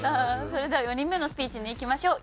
それでは４人目のスピーチにいきましょう。